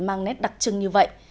mang nét đặc trưng như vậy